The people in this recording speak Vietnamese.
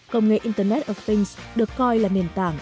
công nghệ internet of things được coi là nền tảng